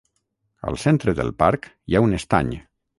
Al centre del parc hi ha un estany.